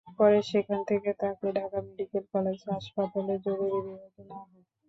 পরে সেখান থেকে তাকে ঢাকা মেডিকেল কলেজ হাসপাতালের জরুরি বিভাগে নেওয়া হয়।